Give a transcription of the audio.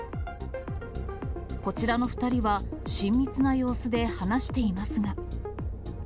こちらの２人は、親密な様子で話していますが。